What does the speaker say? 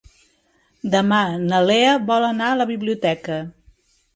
Demà na Lea vol anar a la biblioteca.